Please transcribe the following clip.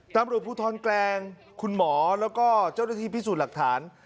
ตำรวจภูทรแกลงคุณหมอแล้วก็เจ้าหน้าที่พิสูจน์หลักฐาน